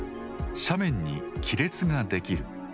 斜面に亀裂ができる。